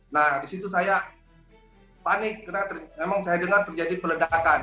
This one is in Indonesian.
nah disitu saya panik karena memang saya dengar terjadi peledakan